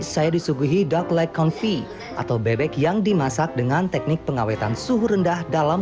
saya disuguhi dark light confee atau bebek yang dimasak dengan teknik pengawetan suhu rendah dalam